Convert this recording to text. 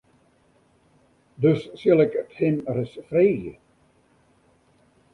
Dus sil ik it him ris freegje.